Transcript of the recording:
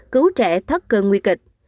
cứu trẻ thất cơn nguy kịch